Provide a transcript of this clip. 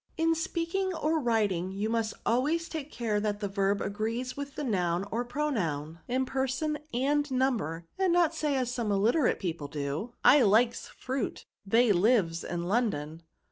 In speaking or writing, you must always take care that the verb agrees with the noun or pronoun, in person and number, and not say as some illiterate people do, ' I Ukes fruit ; they lives in London.'